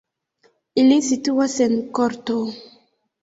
Ili situas en korto.